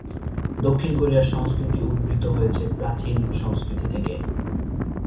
দক্ষিণ কোরিয়ার সংস্কৃতি উদ্ভূত হয়েছে প্রাচীন সংস্কৃতি থেকে।